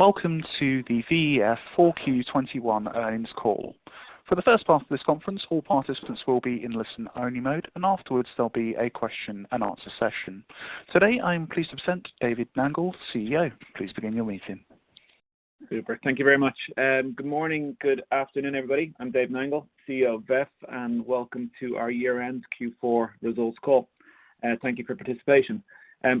Welcome to the VEF 4Q 2021 EarningsCall. For the first part of this conference, all participants will be in listen-only mode, and afterwards, there'll be a question and answer session. Today, I am pleased to present David Nangle, CEO. Please begin your meeting. Super. Thank you very much. Good morning, good afternoon, everybody. I'm Dave Nangle, CEO of VEF, and welcome to our year-end Q4 Results Call. Thank you for participation.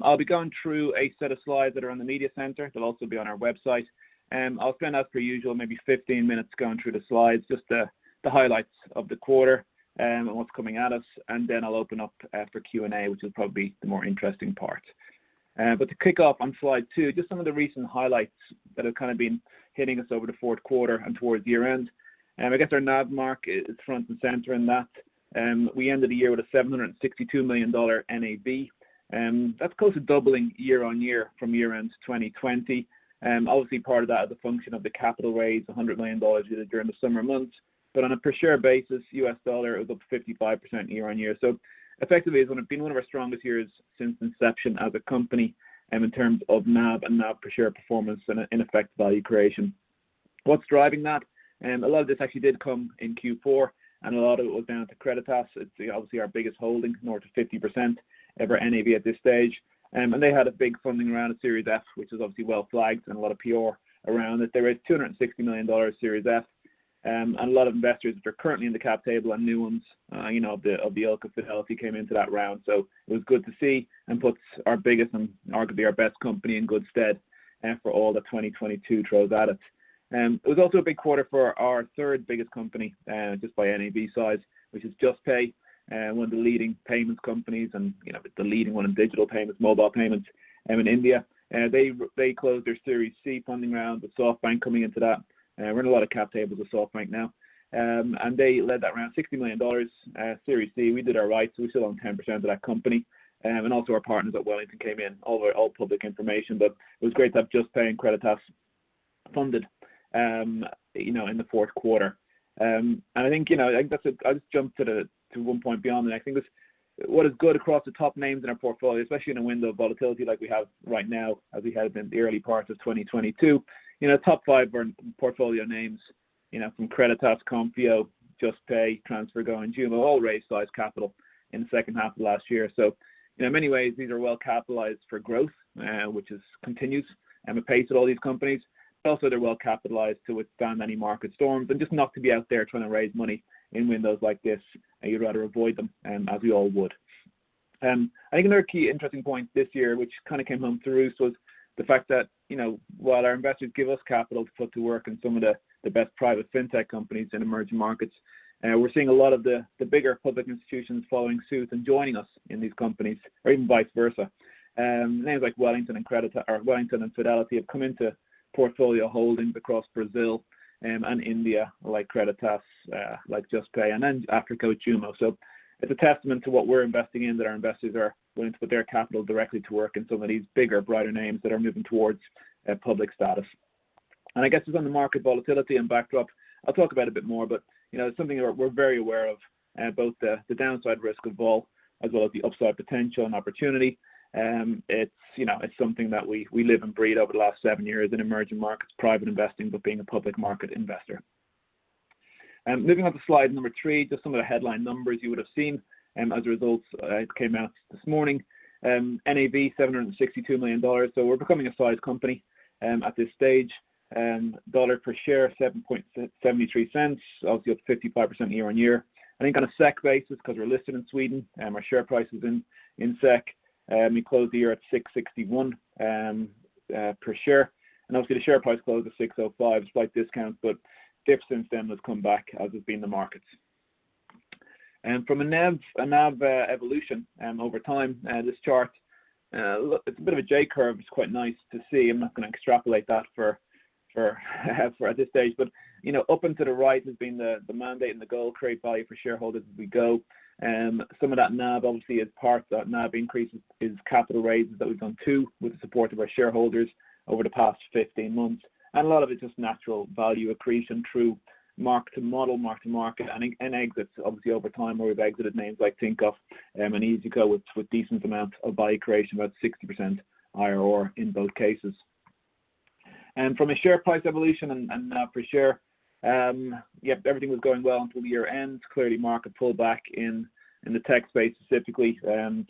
I'll be going through a set of slides that are on the media center. They'll also be on our website. I'll spend, as per usual, maybe 15 minutes going through the slides, just the highlights of the quarter, and what's coming at us, and then I'll open up for Q&A, which will probably be the more interesting part. To kick off on slide two, just some of the recent highlights that have kinda been hitting us over the fourth quarter and towards year-end. I guess our NAV mark is front and center in that. We ended the year with a $762 million NAV. That's close to doubling year-on-year from year-end 2020. Obviously, part of that is a function of the capital raise, $100 million we did during the summer months. On a per share basis, U.S. dollar, it was up 55% year-on-year. Effectively, it's one of our strongest years since inception as a company in terms of NAV and NAV per share performance and in effect value creation. What's driving that? A lot of this actually did come in Q4, and a lot of it was down to Creditas. It's obviously our biggest holding, north of 50% of our NAV at this stage. They had a big funding round of Series F, which was obviously well flagged and a lot of PR around it. They raised $260 million Series F. A lot of investors that are currently in the cap table and new ones, you know, of the ilk of Fidelity came into that round. It was good to see and puts our biggest and arguably our best company in good stead, for all the 2022 throws at it. It was also a big quarter for our third biggest company, just by NAV size, which is Juspay, one of the leading payments companies and, you know, the leading one in digital payments, mobile payments, in India. They closed their Series C funding round with SoftBank coming into that. We're in a lot of cap tables with SoftBank now. They led that round, $60 million, Series C. We did our rights, so we still own 10% of that company. Our partners at Wellington came in, all public information. It was great to have Juspay and Creditas funded, you know, in the fourth quarter. I think, you know, that's a... I'll just jump to one point beyond that. I think what's good across the top names in our portfolio, especially in a window of volatility like we have right now as we head into the early parts of 2022. You know, top five firm portfolio names, you know, from Creditas, Konfio, Juspay, TransferGo, and JUMO all raised large capital in the second half of last year. You know, in many ways, these are well capitalized for growth, which continues at the pace of all these companies. They're well capitalized to withstand any market storms and just not to be out there trying to raise money in windows like this. You'd rather avoid them, as we all would. I think another key interesting point this year which kinda came home to roost was the fact that, you know, while our investors give us capital to put to work in some of the best private fintech companies in emerging markets, we're seeing a lot of the bigger public institutions following suit and joining us in these companies or even vice versa. Names like Wellington and Fidelity have come into portfolio holdings across Brazil and India, like Creditas, like Juspay and then Afterpay JUMO. It's a testament to what we're investing in that our investors are willing to put their capital directly to work in some of these bigger, brighter names that are moving towards a public status. I guess just on the market volatility and backdrop, I'll talk about a bit more, but you know, it's something we're very aware of both the downside risk of Vol as well as the upside potential and opportunity. It's you know, it's something that we live and breathe over the last seven years in emerging markets, private investing, but being a public market investor. Moving on to slide number three, just some of the headline numbers you would have seen as the results came out this morning. NAV $762 million, so we're becoming a sized company at this stage. $0.73 per share, obviously up 55% year-over-year. I think on a SEK basis, because we're listed in Sweden, our share price is in SEK. We closed the year at 661 per share. Obviously the share price closed at 605, slight discount, but the dip since then has come back, as have the markets. From a NAV evolution over time, this chart looks, it's a bit of a J curve. It's quite nice to see. I'm not gonna extrapolate that forward at this stage. You know, up and to the right has been the mandate and the goal, create value for shareholders as we go. Some of that NAV obviously is part of that NAV increase is capital raises that we've done too, with the support of our shareholders over the past 15 months. A lot of it's just natural value accretion through mark-to-model, mark-to-market and exits obviously over time where we've exited names like Tinkoff and Easyco with decent amounts of value creation, about 60% IRR in both cases. From a share price evolution and per share, yep, everything was going well until the year-end. Clearly market pulled back in the tech space specifically, and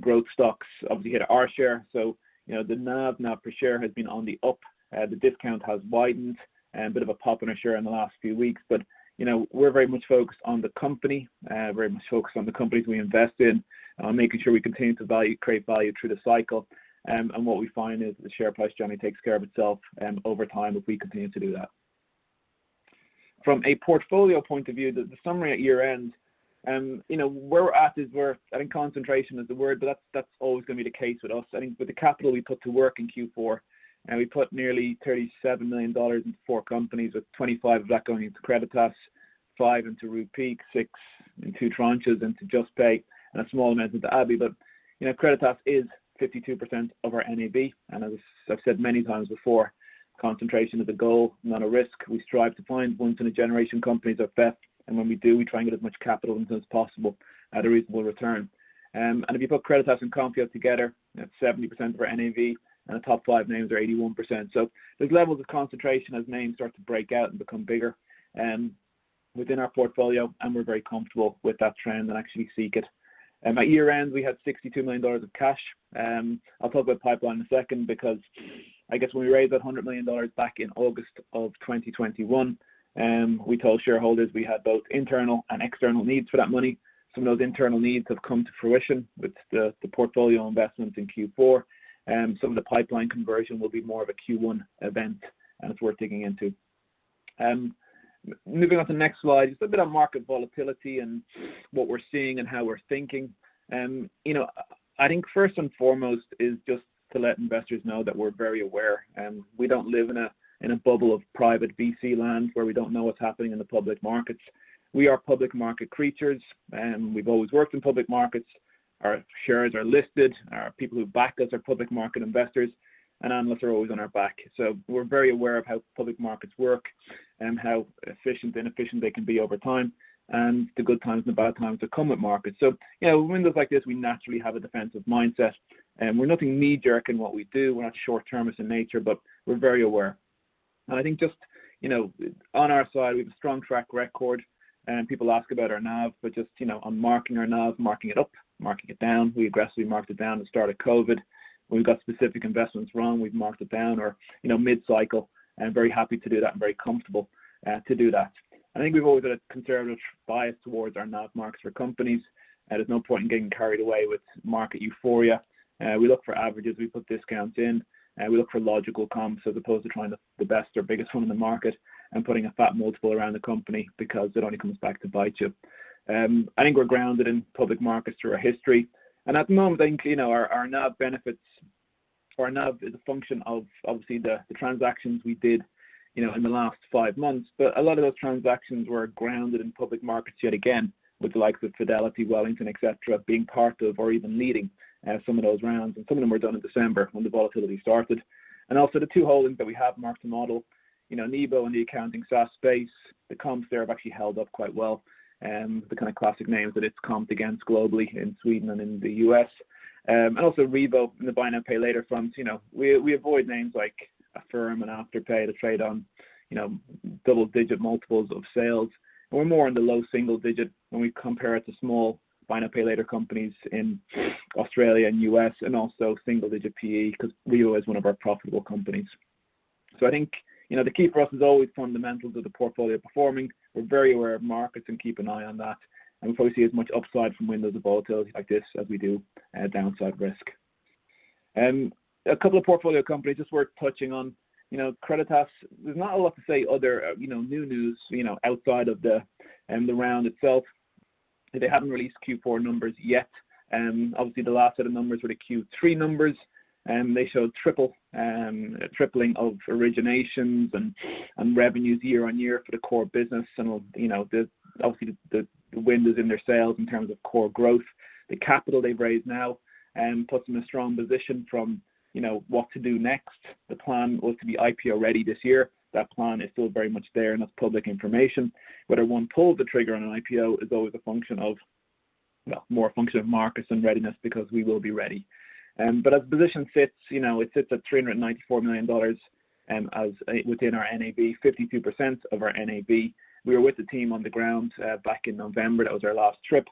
growth stocks obviously hit our share. You know, the NAV per share has been on the up. The discount has widened. A bit of a pop in our share in the last few weeks. You know, we're very much focused on the company, very much focused on the companies we invest in, on making sure we continue to value, create value through the cycle. What we find is the share price generally takes care of itself over time if we continue to do that. From a portfolio point of view, the summary at year-end, you know, where we're at is, I think, concentration is the word, but that's always gonna be the case with us. I think with the capital we put to work in Q4, we put nearly $37 million into four companies, with $25 million of that going into Creditas, $5 million into Rupeek, $6 million in two tranches into Juspay, and a small amount into Abhi. You know, Creditas is 52% of our NAV, and as I've said many times before, concentration is a goal, not a risk. We strive to find once-in-a-generation companies at VEF, and when we do, we try and get as much capital into them as possible at a reasonable return. If you put Creditas and Konfio out together, that's 70% of our NAV, and the top five names are 81%. There's levels of concentration as names start to break out and become bigger. Within our portfolio, we're very comfortable with that trend and actually seek it. By year-end, we had $62 million of cash. I'll talk about pipeline in a second because I guess when we raised that $100 million back in August of 2021, we told shareholders we had both internal and external needs for that money. Some of those internal needs have come to fruition with the portfolio investments in Q4, and some of the pipeline conversion will be more of a Q1 event, and it's worth digging into. Moving on to the next slide, just a bit of market volatility and what we're seeing and how we're thinking. You know, I think first and foremost is just to let investors know that we're very aware, and we don't live in a bubble of private VC land where we don't know what's happening in the public markets. We are public market creatures, and we've always worked in public markets. Our shares are listed. Our people who back us are public market investors, and analysts are always on our back. We're very aware of how public markets work and how efficient they can be over time, and the good times and the bad times that come with markets. You know, in windows like this, we naturally have a defensive mindset, and we're nothing knee-jerk in what we do. We're not short-termist in nature, but we're very aware. I think just, you know, on our side, we have a strong track record, and people ask about our NAV, but just, you know, I'm marking our NAV, marking it up, marking it down. We aggressively marked it down at the start of COVID. When we've got specific investments wrong, we've marked it down or, you know, mid-cycle, and very happy to do that and very comfortable to do that. I think we've always had a conservative bias towards our NAV marks for companies, and there's no point in getting carried away with market euphoria. We look for averages. We put discounts in. We look for logical comps as opposed to trying the best or biggest one in the market and putting a fat multiple around the company because it only comes back to bite you. I think we're grounded in public markets through our history. At the moment, I think, you know, our NAV benefits or our NAV is a function of obviously the transactions we did, you know, in the last 5 months. A lot of those transactions were grounded in public markets yet again, with the likes of Fidelity, Wellington, et cetera, being part of or even leading some of those rounds. Some of them were done in December when the volatility started. Also the two holdings that we have marked to model, you know, Nibo in the accounting SaaS space, the comps there have actually held up quite well, the kind of classic names that it's comped against globally in Sweden and in the U.S. Also Revo in the buy now, pay later front. You know, we avoid names like Affirm and Afterpay that trade on, you know, double-digit multiples of sales. We're more in the low single digit when we compare it to small buy now, pay later companies in Australia and the U.S. and also single-digit PE because Revo is one of our profitable companies. I think, you know, the key for us is always fundamentals of the portfolio performing. We're very aware of markets and keep an eye on that. We probably see as much upside from windows of volatility like this as we do downside risk. A couple of portfolio companies just worth touching on. You know, Creditas, there's not a lot to say other, you know, new news, you know, outside of the round itself. They haven't released Q4 numbers yet. Obviously the last set of numbers were the Q3 numbers, they showed a tripling of originations and revenues year on year for the core business. You know, obviously the wind is in their sails in terms of core growth. The capital they've raised now puts them in a strong position from what to do next. The plan was to be IPO ready this year. That plan is still very much there and that's public information. Whether one pulls the trigger on an IPO is always a function of, well, more a function of markets than readiness because we will be ready. But as the position sits, you know, it sits at $394 million, as within our NAV, 52% of our NAV. We were with the team on the ground back in November. That was our last trip.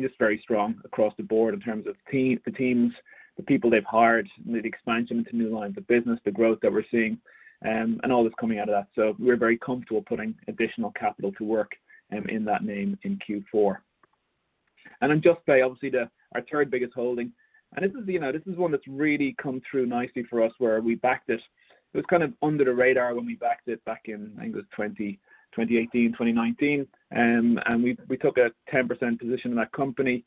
Just very strong across the board in terms of team, the teams, the people they've hired, the expansion into new lines of business, the growth that we're seeing, and all that's coming out of that. We're very comfortable putting additional capital to work in that name in Q4. Juspay, obviously, our third-biggest holding. This is, you know, one that's really come through nicely for us where we backed it. It was kind of under the radar when we backed it back in. I think it was 2018, 2019. We took a 10% position in that company,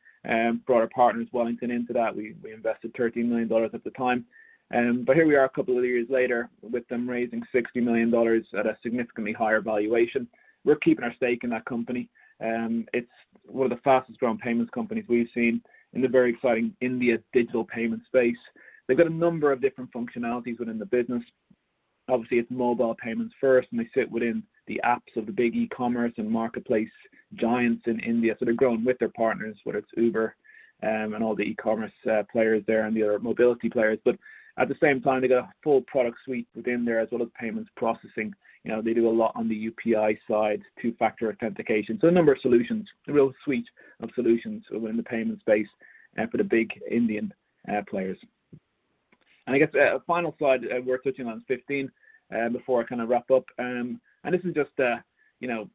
brought our partners Wellington into that. We invested $13 million at the time. But here we are a couple of years later with them raising $60 million at a significantly higher valuation. We're keeping our stake in that company. It's one of the fastest growing payments companies we've seen in the very exciting India digital payment space. They've got a number of different functionalities within the business. Obviously, it's mobile payments first, and they sit within the apps of the big e-commerce and marketplace giants in India. They're growing with their partners, whether it's Uber, and all the e-commerce players there and the other mobility players. At the same time, they've got a full product suite within there as well as payments processing. You know, they do a lot on the UPI side, two-factor authentication. A number of solutions, a real suite of solutions within the payment space, for the big Indian players. I guess, final slide worth touching on is 15 before I kinda wrap up. This is just, you know,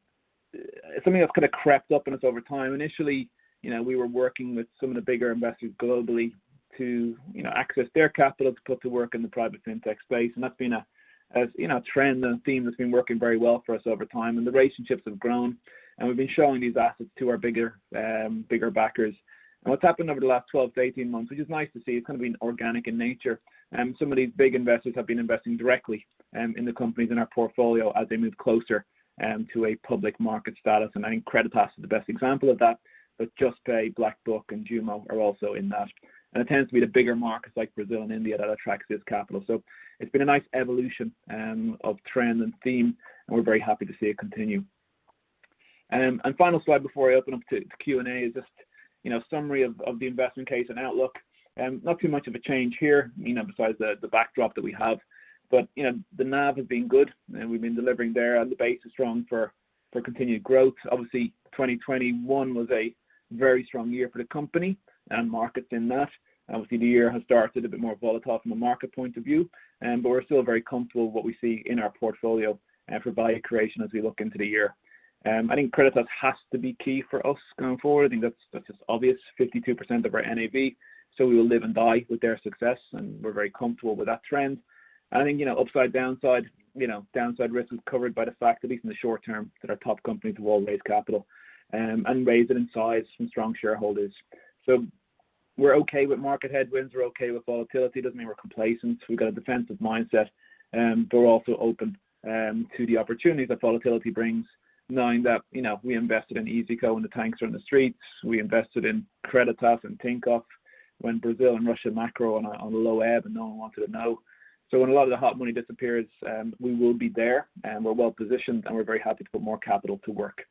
something that's kinda crept up on us over time. Initially, you know, we were working with some of the bigger investors globally to, you know, access their capital to put to work in the private fintech space. That's been a you know, a trend and a theme that's been working very well for us over time. The relationships have grown, and we've been showing these assets to our bigger backers. What's happened over the last 12-18 months, which is nice to see, it's kind of been organic in nature, some of these big investors have been investing directly in the companies in our portfolio as they move closer to a public market status. I think Creditas is the best example of that, but Juspay, BlackBuck, and JUMO are also in that. It tends to be the bigger markets like Brazil and India that attracts this capital. It's been a nice evolution of trend and theme, and we're very happy to see it continue. Final slide before I open up to Q&A is just, you know, summary of the Investment Case and Outlook. Not too much of a change here, you know, besides the backdrop that we have. You know, the NAV has been good, and we've been delivering there, and the base is strong for continued growth. Obviously, 2021 was a very strong year for the company and markets in that. Obviously the year has started a bit more volatile from a market point of view, but we're still very comfortable with what we see in our portfolio and for value creation as we look into the year. I think Creditas has to be key for us going forward. I think that's just obvious, 52% of our NAV. We will live and die with their success, and we're very comfortable with that trend. I think, you know, upside, downside, you know, downside risk is covered by the fact, at least in the short term, that our top companies will all raise capital and raise it in size from strong shareholders. We're okay with market headwinds. We're okay with volatility. Doesn't mean we're complacent. We've got a defensive mindset. But we're also open to the opportunities that volatility brings, knowing that, you know, we invested in Easyco when the tanks were in the streets. We invested in Creditas and Tinkoff when Brazil and Russia macro were on a low ebb and no one wanted to know. When a lot of the hot money disappears, we will be there and we're well-positioned and we're very happy to put more capital to work.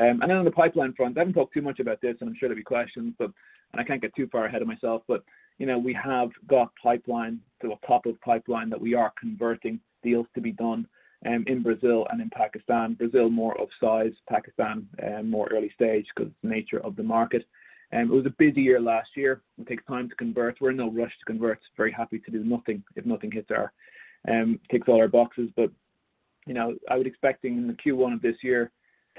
On the pipeline front, I haven't talked too much about this and I'm sure there'll be questions, but I can't get too far ahead of myself, but you know, we have got pipeline to a top of pipeline that we are converting deals to be done, in Brazil and in Pakistan. Brazil more upsize, Pakistan, more early stage because nature of the market. It was a busy year last year. It takes time to convert. We're in no rush to convert. Very happy to do nothing if nothing hits our ticks all our boxes. You know, I would expect in the Q1 of this year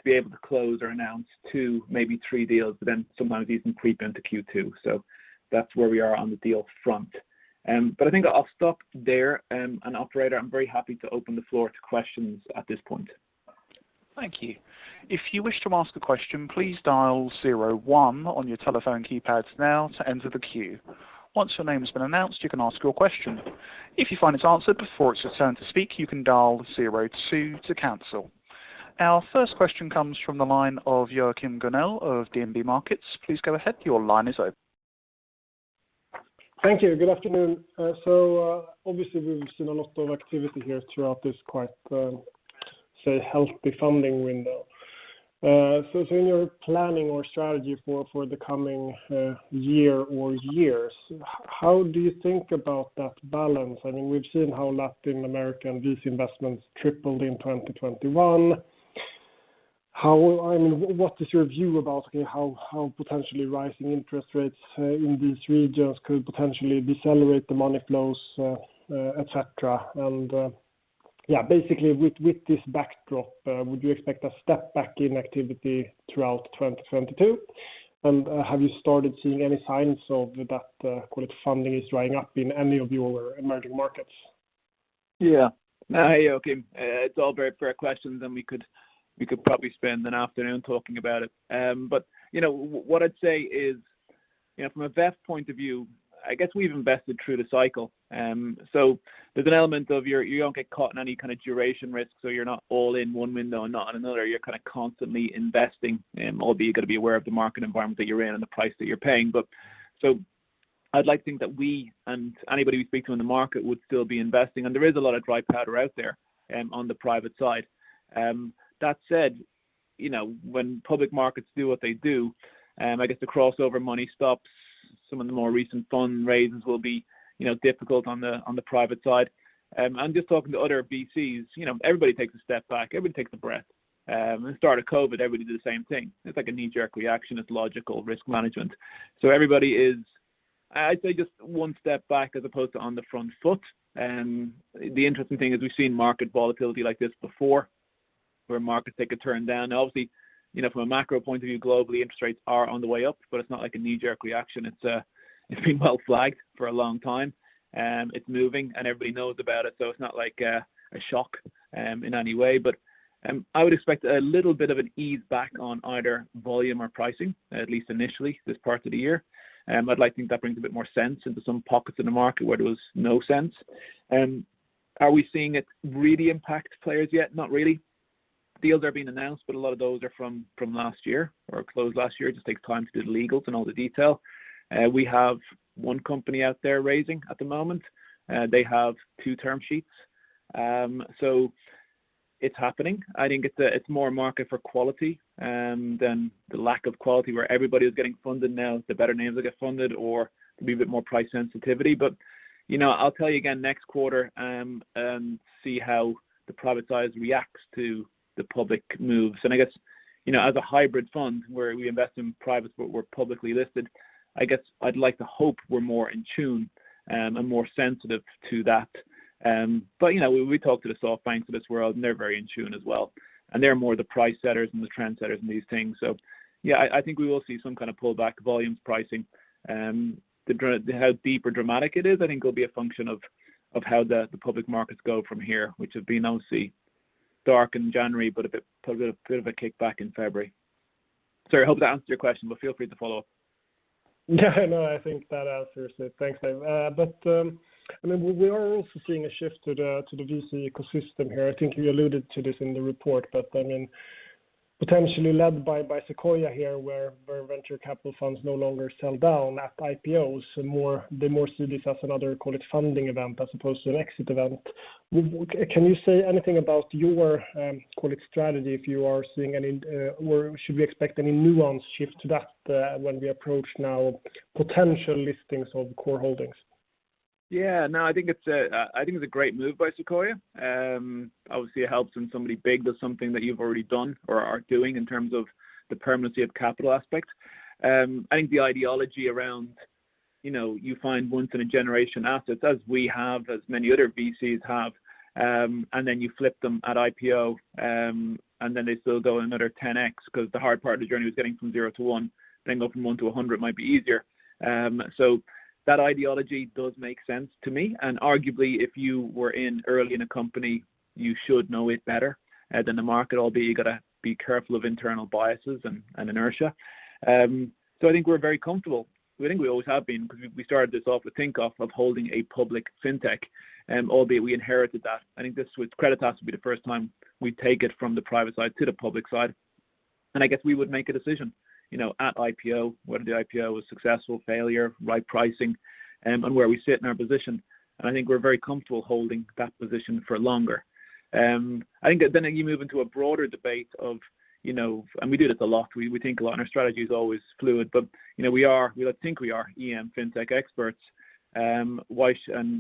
to be able to close or announce two, maybe three deals, but then some of these can creep into Q2. That's where we are on the deal front. I think I'll stop there. Operator, I'm very happy to open the floor to questions at this point. Thank you. If you wish to ask a question, please dial zero one on your telephone keypads now to enter the queue. Once your name has been announced, you can ask your question. If you find it's answered before it's your turn to speak, you can dial zero two to cancel. Our first question comes from the line of Joachim Gunell of DNB Markets. Please go ahead. Your line is open. Thank you. Good afternoon. Obviously we've seen a lot of activity here throughout this quite, say healthy funding window. In your planning or strategy for the coming year or years, how do you think about that balance? I mean, we've seen how Latin American VC investments tripled in 2021. What is your view about how potentially rising interest rates in these regions could potentially decelerate the money flows, et cetera? Yeah, basically with this backdrop, would you expect a step back in activity throughout 2022? Have you started seeing any signs of that, credit funding is drying up in any of your emerging markets? Yeah. Hey, Joachim. It's all very fair questions, and we could, we could probably spend an afternoon talking about it. But you know, what I'd say is, you know, from a VEF point of view, I guess we've invested through the cycle. So there's an element of you don't get caught in any kinda duration risk. You're not all in one window and not in another. You're kinda constantly investing, albeit you've got to be aware of the market environment that you're in and the price that you're paying, but so I'd like to think that we and anybody we speak to in the market would still be investing. There is a lot of dry powder out there, on the private side. That said, you know, when public markets do what they do, I guess the crossover money stops. Some of the more recent fund raises will be, you know, difficult on the private side. Just talking to other VCs, you know, everybody takes a step back, everybody takes a breath. At the start of COVID, everybody did the same thing. It's like a knee-jerk reaction. It's logical risk management. Everybody is, I'd say, just one step back as opposed to on the front foot. The interesting thing is we've seen market volatility like this before where markets take a turn down. Obviously, you know, from a macro point of view, globally interest rates are on the way up, but it's not like a knee-jerk reaction. It's been well flagged for a long time. It's moving and everybody knows about it, so it's not like a shock in any way. I would expect a little bit of an ease back on either volume or pricing, at least initially this part of the year. I'd like to think that brings a bit more sense into some pockets in the market where there was no sense. Are we seeing it really impact players yet? Not really. Deals are being announced, but a lot of those are from last year or closed last year. It just takes time to do the legals and all the detail. We have one company out there raising at the moment. They have two term sheets. So it's happening. I think it's more a market for quality than the lack of quality where everybody was getting funded. Now it's the better names that get funded or could be a bit more price sensitivity. You know, I'll tell you again next quarter, see how the private side reacts to the public moves. I guess, you know, as a hybrid fund where we invest in privates but we're publicly listed, I guess I'd like to hope we're more in tune, and more sensitive to that. You know, we talk to the SoftBank of this world and they're very in tune as well. They're more the price setters and the trend setters in these things. Yeah, I think we will see some kind of pullback volumes pricing. How deep or dramatic it is I think will be a function of how the public markets go from here, which have been obviously down in January but a bit of a comeback in February. I hope that answers your question, but feel free to follow up. Yeah, no, I think that answers it. Thanks, Dave. I mean we are also seeing a shift to the VC ecosystem here. I think you alluded to this in the report, I mean potentially led by Sequoia here where venture capital funds no longer sell down at IPOs and they see this as another call it funding event as opposed to an exit event. Can you say anything about your call it strategy if you are seeing any or should we expect any nuanced shift to that when we approach now potential listings of core holdings? Yeah. No, I think it's a great move by Sequoia. Obviously it helps when somebody big does something that you've already done or are doing in terms of the permanency of capital aspect. I think the ideology around, you know, you find once in a generation assets as we have, as many other VCs have, and then you flip them at IPO, and then they still go another 10x because the hard part of the journey was getting from zero to one, then going from one to 100 might be easier. That ideology does make sense to me. Arguably, if you were in early in a company, you should know it better than the market, albeit you gotta be careful of internal biases and inertia. I think we're very comfortable. We think we always have been because we started this off with Tinkoff of holding a public Fintech, albeit we inherited that. I think this with Creditas will be the first time we take it from the private side to the public side. I guess we would make a decision, you know at IPO, whether the IPO was successful, failure, right pricing, and where we sit in our position. I think we're very comfortable holding that position for longer. I think then you move into a broader debate of, you know, and we do this a lot. We think a lot, and our strategy is always fluid. You know, we are we think we are EM Fintech experts, versus,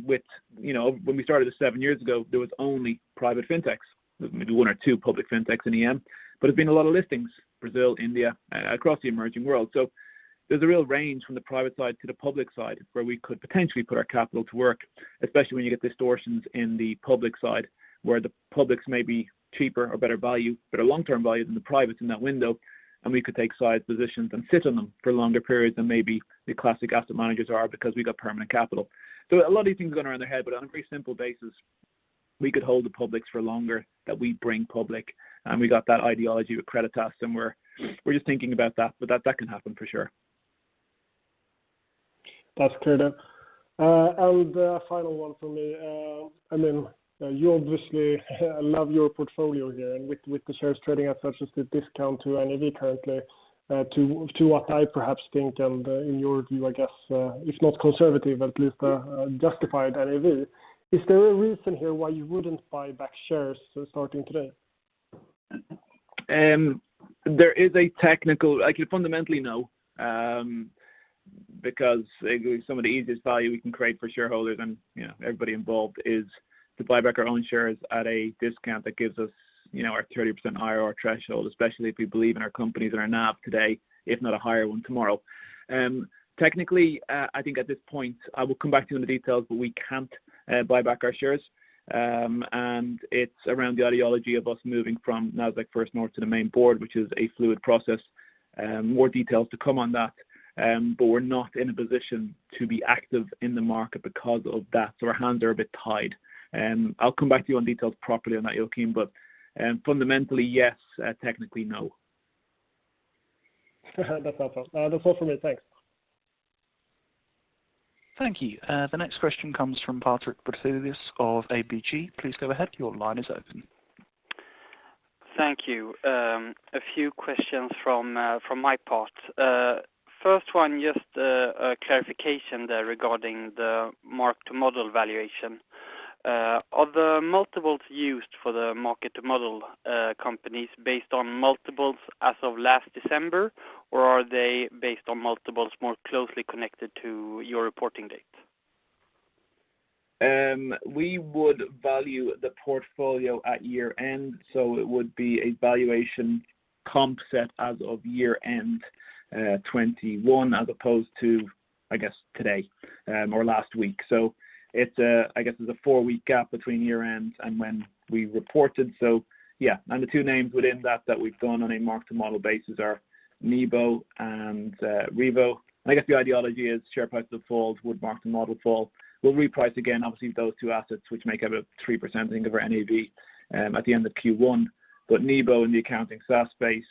with. You know, when we started this seven years ago, there was only private Fintechs. Maybe one or two public Fintechs in EM, but there's been a lot of listings, Brazil, India, across the emerging world. There's a real range from the private side to the public side where we could potentially put our capital to work, especially when you get distortions in the public side where the publics may be cheaper or better value, better long-term value than the privates in that window. We could take size positions and sit on them for longer periods than maybe the classic asset managers are because we got permanent capital. A lot of these things going around in their head, but on a very simple basis, we could hold the publics for longer than being public, and we got that idea with Creditas, and we're just thinking about that. That can happen for sure. That's clear then. The final one for me, and then you obviously love your portfolio here and with the shares trading at such a discount to NAV currently, to what I perhaps think and in your view, I guess, if not conservative, at least justified NAV. Is there a reason here why you wouldn't buy back shares starting today? Like fundamentally, no, because some of the easiest value we can create for shareholders and, you know, everybody involved is to buy back our own shares at a discount that gives us, you know, our 30% IRR threshold, especially if we believe in our companies that are NAV today, if not a higher one tomorrow. Technically, I think at this point, I will come back to you on the details, but we can't buy back our shares. It's around the idea of us moving from Nasdaq First North to the main board, which is a fluid process. More details to come on that. We're not in a position to be active in the market because of that. Our hands are a bit tied. I'll come back to you on details properly on that, Joakim. Fundamentally, yes, technically, no. That's all. That's all from me. Thanks. Thank you. The next question comes from Patrik Brattelius of ABG. Please go ahead. Your line is open. Thank you. A few questions from my part. First one, just a clarification there regarding the mark-to-model valuation. Are the multiples used for the mark-to-model companies based on multiples as of last December, or are they based on multiples more closely connected to your reporting date? We would value the portfolio at year-end, so it would be a valuation comp set as of year-end 2021, as opposed to, I guess, today or last week. It's, I guess, a 4-week gap between year-end and when we reported. Yeah. The two names within that that we've gone on a mark-to-model basis are Nibo and Revo. I guess the idea is share price defaults would mark-to-model fall. We'll reprice again, obviously, those two assets which make up a 3% I think of our NAV at the end of Q1. Nibo in the accounting SaaS space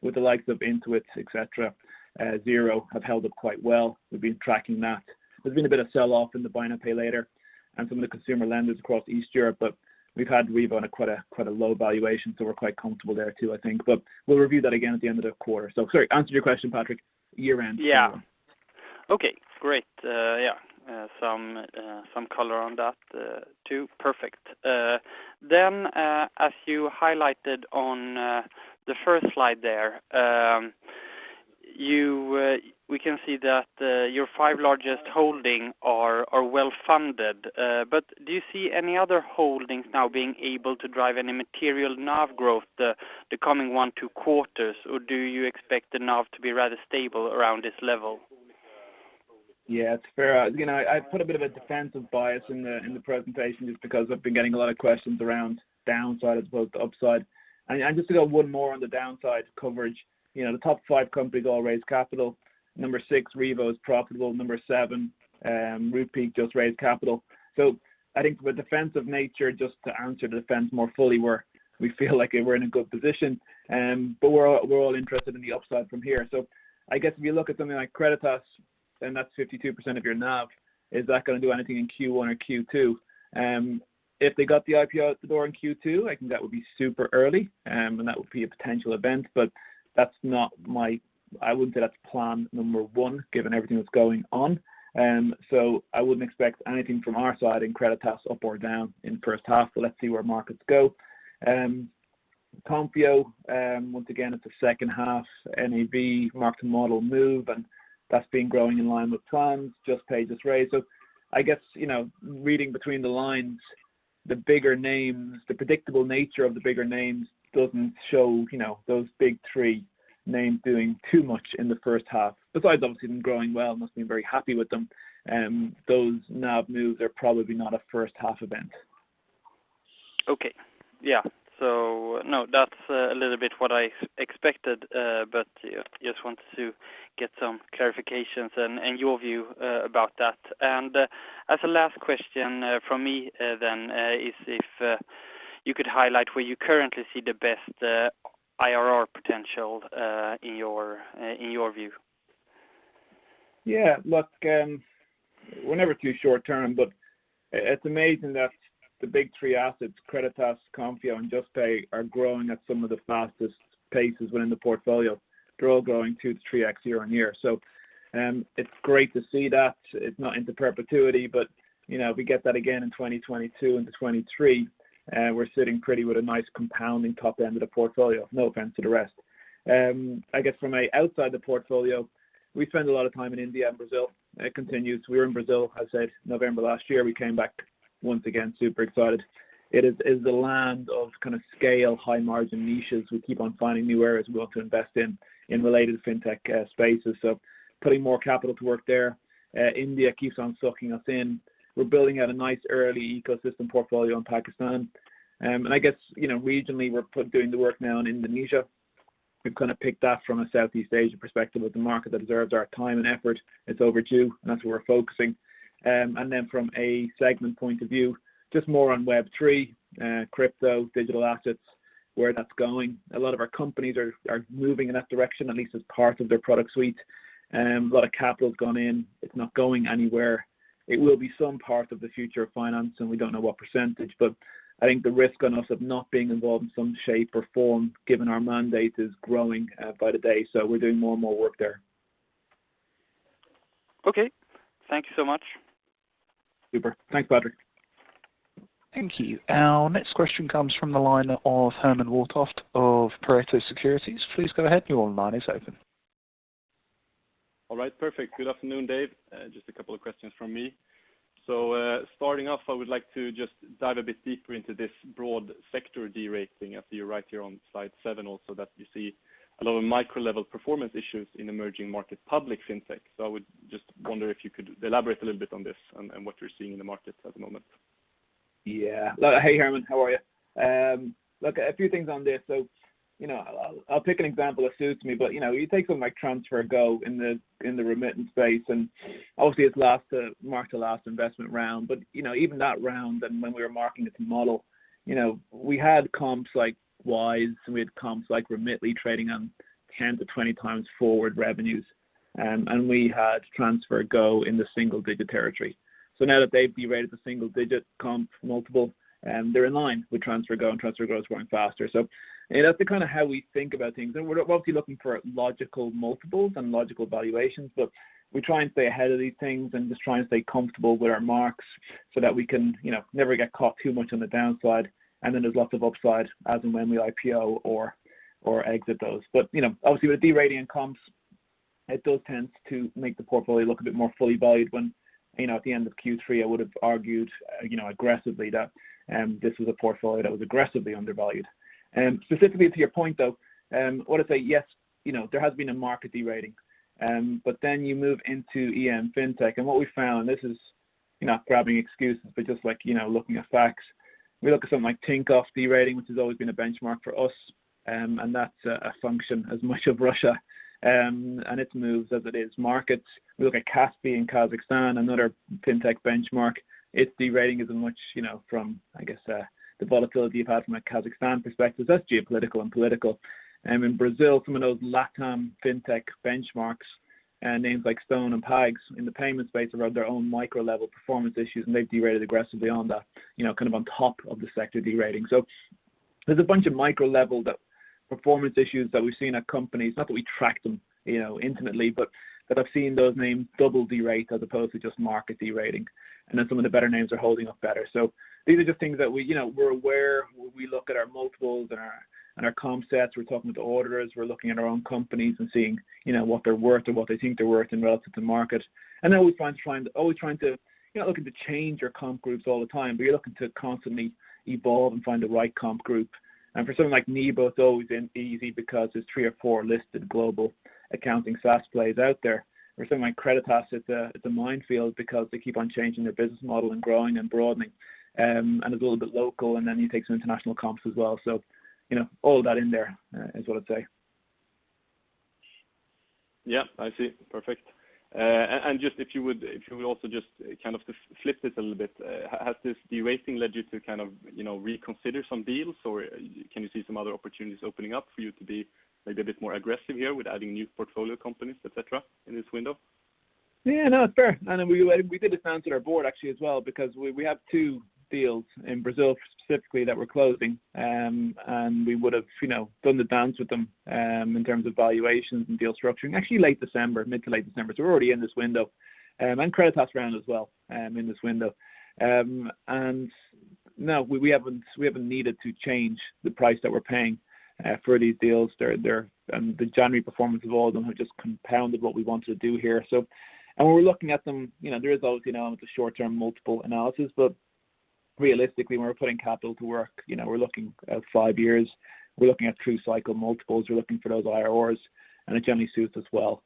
with the likes of Intuit, et cetera, Xero have held up quite well. We've been tracking that. There's been a bit of sell-off in the buy now, pay later and some of the consumer lenders across East Europe, but we've had Revo on a quite a low valuation, so we're quite comfortable there too, I think. We'll review that again at the end of the quarter. Sorry, answer your question, Patrik. Year end. Some color on that, too. Perfect. As you highlighted on the first slide there, we can see that your five largest holdings are well funded. Do you see any other holdings now being able to drive any material NAV growth in the coming one, two quarters, or do you expect the NAV to be rather stable around this level? Yeah, it's fair. You know, I put a bit of a defensive bias in the presentation just because I've been getting a lot of questions around downside as both the upside. Just to go one more on the downside coverage, you know, the top five companies all raised capital. Number six, Revo, is profitable. Number seven, Rupeek just raised capital. I think with defensive nature, just to answer the defense more fully, we feel like we're in a good position. We're all interested in the upside from here. I guess if you look at something like Creditas and that's 52% of your NAV. Is that gonna do anything in Q1 or Q2? If they got the IPO out the door in Q2, I think that would be super early, and that would be a potential event, but that's not. I wouldn't say that's plan number one given everything that's going on. So I wouldn't expect anything from our side in Creditas up or down in the first half, but let's see where markets go. Konfio, once again it's a second half NAV mark-to-model move, and that's been growing in line with plans. Juspay just raised. So I guess, you know, reading between the lines, the bigger names, the predictable nature of the bigger names doesn't show, you know, those big three names doing too much in the first half. Besides obviously them growing well, must be very happy with them. Those NAV moves are probably not a first half event. Okay. Yeah. No, that's a little bit what I expected, but yeah, just wanted to get some clarifications and your view about that. As a last question from me, then, is if you could highlight where you currently see the best IRR potential in your view. Look, we're never too short term, but it's amazing that the big three assets, Creditas, Konfio, and Juspay are growing at some of the fastest paces within the portfolio. They're all growing 2x-3x year-on-year. It's great to see that. It's not in perpetuity, but you know, if we get that again in 2022 into 2023, we're sitting pretty with a nice compounding top end of the portfolio, no offense to the rest. I guess from outside the portfolio, we spend a lot of time in India and Brazil. It continues. We were in Brazil, as I said, November last year. We came back once again super excited. It is the land of kind of scale high margin niches. We keep on finding new areas we want to invest in related fintech spaces. Putting more capital to work there. India keeps on sucking us in. We're building out a nice early ecosystem portfolio in Pakistan. I guess, you know, regionally, we're doing the work now in Indonesia. We've kind of picked that from a Southeast Asia perspective as a market that deserves our time and effort. It's overdue, and that's where we're focusing. Then from a segment point of view, just more on Web3, crypto, digital assets, where that's going. A lot of our companies are moving in that direction, at least as part of their product suite. A lot of capital's gone in. It's not going anywhere. It will be some part of the future of finance, and we don't know what percentage, but I think the risk on us of not being involved in some shape or form given our mandate is growing by the day. We're doing more and more work there. Okay. Thank you so much. Super. Thanks, Patrick. Thank you. Our next question comes from the line of Herman Wartoft of Pareto Securities. Please go ahead. Your line is open. All right. Perfect. Good afternoon, Dave. Just a couple of questions from me. Starting off, I would like to just dive a bit deeper into this broad sector derating I see right here on slide seven also that you see a lot of micro level performance issues in emerging market public fintech. I would just wonder if you could elaborate a little bit on this and what you're seeing in the markets at the moment. Yeah. Hey, Herman. How are you? Look, a few things on this. You know, I'll pick an example that suits me, but you know, you take something like TransferGo in the remittance space, and obviously its last mark-to-market, our last investment round. You know, even that round and when we were marking its mark-to-model, you know, we had comps like Wise, and we had comps like Remitly trading on 10-20 times forward revenues. And we had TransferGo in the single-digit territory. Now that they've derated to single-digit comp multiple, they're in line with TransferGo, and TransferGo is growing faster. That's the kinda how we think about things. We're obviously looking for logical multiples and logical valuations, but we try and stay ahead of these things and just try and stay comfortable with our marks so that we can, you know, never get caught too much on the downside. Then there's lots of upside as and when we IPO or exit those. You know, obviously with derating comps, it does tend to make the portfolio look a bit more fully valued when, you know, at the end of Q3, I would've argued, you know, aggressively that this was a portfolio that was aggressively undervalued. Specifically to your point, though, I want to say, yes, you know, there has been a market derating. But then you move into EM fintech, and what we found, this is not grabbing excuses, but just like, you know, looking at facts. We look at something like Tinkoff derating, which has always been a benchmark for us, and that's a function as much of Russia, and its moves as it is markets. We look at Kaspi in Kazakhstan, another fintech benchmark. Its derating isn't much, you know, from, I guess, the volatility you've had from a Kazakhstan perspective. That's geopolitical and political. In Brazil, some of those LatAm fintech benchmarks, names like Stone and PagSeguro in the payment space have had their own micro level performance issues, and they've derated aggressively on the, you know, kind of on top of the sector derating. There's a bunch of micro level that performance issues that we've seen at companies, not that we track them, you know, intimately, but that I've seen those names double derate as opposed to just market derating. Some of the better names are holding up better. These are just things that we, you know, we're aware when we look at our multiples and our comp sets. We're talking with the auditors. We're looking at our own companies and seeing, you know, what they're worth or what they think they're worth in relation to market. We're always trying to, you know, looking to change your comp groups all the time, but you're looking to constantly evolve and find the right comp group. For something like Nibo, it's always been easy because there's three or four listed global accounting SaaS players out there. For something like Creditas, it's a minefield because they keep on changing their business model and growing and broadening, and it's a little bit local, and then you take some international comps as well. You know, all of that in there is what I'd say. Yeah, I see. Perfect. If you would also just kind of flip this a little bit, has this derating led you to kind of, you know, reconsider some deals, or can you see some other opportunities opening up for you to be maybe a bit more aggressive here with adding new portfolio companies, et cetera, in this window? Yeah, no, it's fair. We did this dance at our board actually as well because we have two deals in Brazil specifically that we're closing. We would have, you know, done the dance with them in terms of valuations and deal structuring actually late December, mid to late December. We're already in this window. Creditas round as well in this window. No, we haven't needed to change the price that we're paying for these deals. They're. The January performance of all of them have just compounded what we want to do here. When we're looking at them, you know, there is always, you know, the short term multiple analysis, but realistically, when we're putting capital to work, you know, we're looking at five years. We're looking at true cycle multiples. We're looking for those IRRs, and it generally suits us well.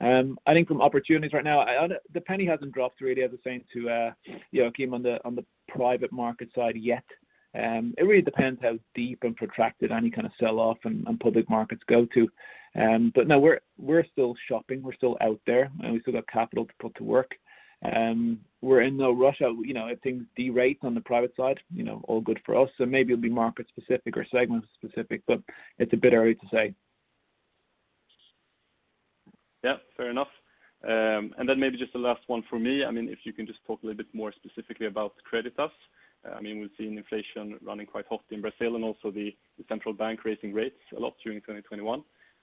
I think from opportunities right now, the penny hasn't dropped really, as I was saying to, you know, Kim on the private market side yet. It really depends how deep and protracted any kind of sell-off in public markets go to. But no, we're still shopping. We're still out there, and we still got capital to put to work. We're in no rush. You know, if things derate on the private side, you know, all good for us. Maybe it'll be market specific or segment specific, but it's a bit early to say. Yeah, fair enough. Maybe just the last one for me, I mean, if you can just talk a little bit more specifically about Creditas. I mean, we've seen inflation running quite hot in Brazil and also the central bank raising rates a lot during 2021.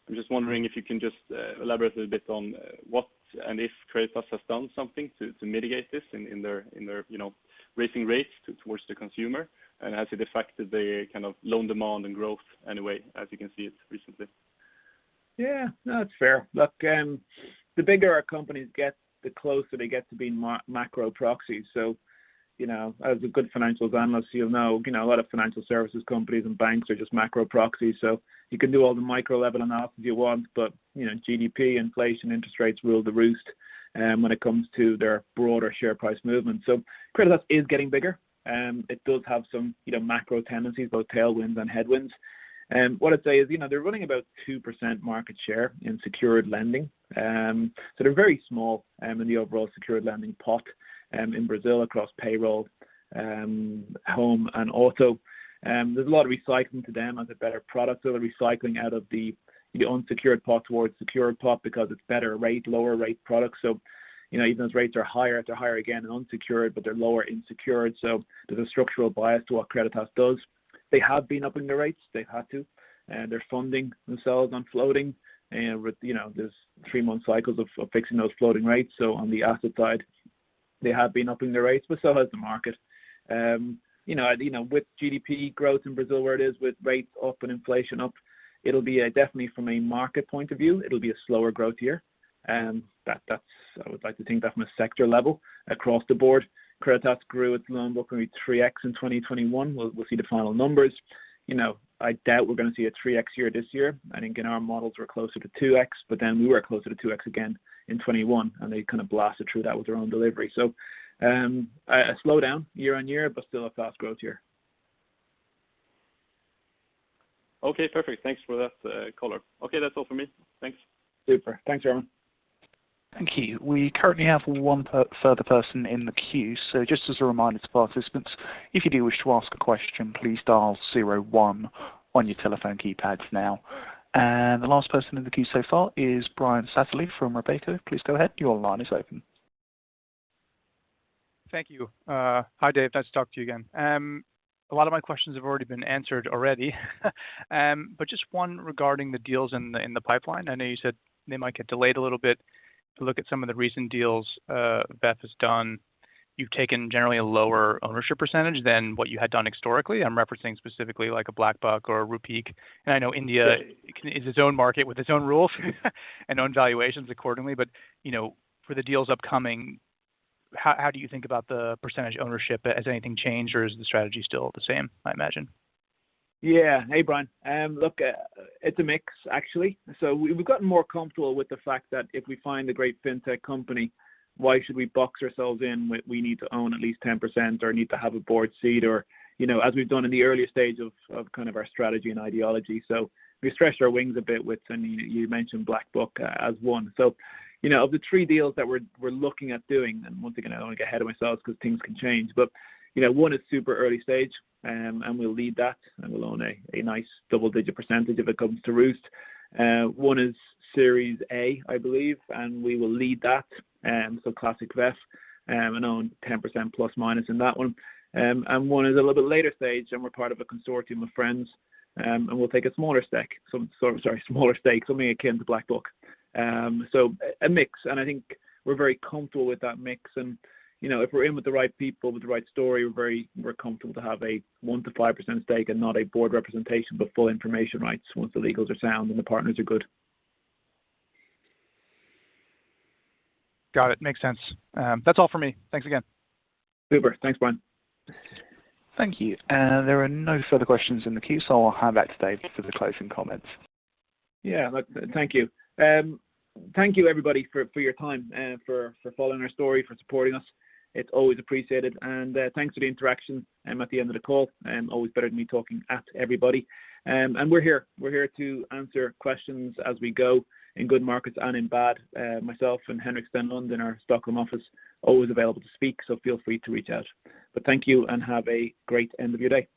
I'm just wondering if you can just elaborate a little bit on what and if Creditas has done something to mitigate this in their raising rates towards the consumer. Has it affected the kind of loan demand and growth in any way as you can see it recently? Yeah. No, it's fair. Look, the bigger our companies get, the closer they get to being macro proxies. You know, as a good financial analyst, you'll know, you know, a lot of financial services companies and banks are just macro proxies. You can do all the micro level analysis you want, but, you know, GDP, inflation, interest rates rule the roost, when it comes to their broader share price movement. Creditas is getting bigger. It does have some, you know, macro tendencies, both tailwinds and headwinds. What I'd say is, you know, they're running about 2% market share in secured lending. They're very small, in the overall secured lending pot, in Brazil across payroll, home and auto. There's a lot of recycling to them as a better product. They're recycling out of the unsecured pot towards secured pot because it's better rate, lower rate products. You know, even those rates are higher, they're higher again and unsecured, but they're lower in secured. There's a structural bias to what Creditas does. They have been upping their rates. They've had to. They're funding themselves on floating with, you know, there's three-month cycles of fixing those floating rates. On the asset side, they have been upping their rates, but so has the market. You know, with GDP growth in Brazil where it is with rates up and inflation up, it'll be a definitely from a market point of view, it'll be a slower growth year. I would like to think that from a sector level across the board, Creditas grew its loan book maybe 3x in 2021. We'll see the final numbers. You know, I doubt we're gonna see a 3x year this year. I think in our models we're closer to 2x, but then we were closer to 2x again in 2021, and they kind of blasted through that with their own delivery. A slowdown year-on-year, but still a fast growth year. Okay, perfect. Thanks for that, color. Okay, that's all for me. Thanks. Super. Thanks, Herman. Thank you. We currently have one further person in the queue. Just as a reminder to participants, if you do wish to ask a question, please dial zero one on your telephone keypad now. The last person in the queue so far is Brian Satherley from Redeye. Please go ahead. Your line is open. Thank you. Hi, Dave. Nice to talk to you again. A lot of my questions have already been answered already. But just one regarding the deals in the pipeline. I know you said they might get delayed a little bit. To look at some of the recent deals VEF has done, you've taken generally a lower ownership percentage than what you had done historically. I'm referencing specifically like a BlackBuck or a Rupeek. I know India- Yeah. EM is its own market with its own rules and own valuations accordingly. You know, for the deals upcoming, how do you think about the percentage ownership? Has anything changed, or is the strategy still the same, I imagine? Yeah. Hey, Brian. Look, it's a mix, actually. We've gotten more comfortable with the fact that if we find a great fintech company, why should we box ourselves in when we need to own at least 10% or need to have a board seat or, you know, as we've done in the earlier stage of kind of our strategy and ideology. We stretched our wings a bit with, I mean, you mentioned BlackBuck as one. You know, of the three deals that we're looking at doing, and once again, I don't wanna get ahead of myself because things can change, but, you know, one is super early stage, and we'll lead that, and we'll own a nice double-digit percentage if it comes to roost. One is Series A, I believe, and we will lead that, so classic VEF, and own 10% plus minus in that one. One is a little bit later stage, and we're part of a consortium of friends, and we'll take a smaller stake, something akin to BlackBuck. A mix, and I think we're very comfortable with that mix. You know, if we're in with the right people, with the right story, we're comfortable to have a 1%-5% stake and not a board representation, but full information rights once the legals are sound and the partners are good. Got it. Makes sense. That's all for me. Thanks again. Super. Thanks, Brian. Thank you. There are no further questions in the queue, so I'll hand back to Dave for the closing comments. Yeah. Look, thank you. Thank you everybody for your time, for following our story, for supporting us. It's always appreciated. Thanks for the interaction at the end of the call. Always better than me talking at everybody. We're here to answer questions as we go in good markets and in bad. Myself and Henrik Stenlund in our Stockholm office, always available to speak, so feel free to reach out. Thank you, and have a great end of your day.